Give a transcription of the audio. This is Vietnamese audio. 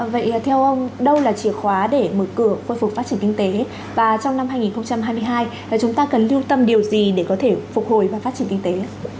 vậy theo ông đâu là chìa khóa để mở cửa khôi phục phát triển kinh tế và trong năm hai nghìn hai mươi hai chúng ta cần lưu tâm điều gì để có thể phục hồi và phát triển kinh tế ạ